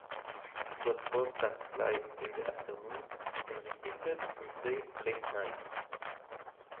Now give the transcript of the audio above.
It was broadcast live in the afternoon, and repeated on tape, late night.